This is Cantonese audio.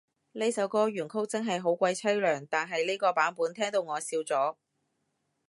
呢首歌原曲真係好鬼淒涼，但係呢個版本聽到我笑咗